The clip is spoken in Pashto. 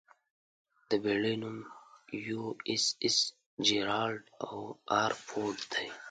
د بېړۍ نوم 'یواېساېس جېرالډ ار فورډ' دی.